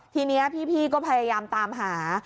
ทีนี้พี่ก็พยายามตามหา